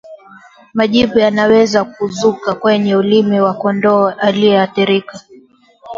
Majipu yanaweza kuzuka kwenye ulimi wa kondoo aliyeathirika